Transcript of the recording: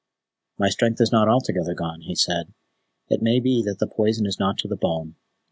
"My strength is not altogether gone," he said. "It may be that the poison is not to the bone.